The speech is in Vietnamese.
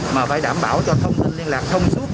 mà phải đảm bảo cho thông tin liên lạc thông suốt